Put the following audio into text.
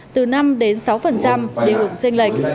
từ năm đến sáu để hưởng tranh lệnh